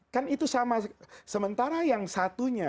kan itu sama sementara yang satunya